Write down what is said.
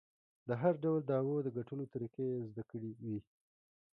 د هر ډول دعوو د ګټلو طریقې یې زده کړې وې.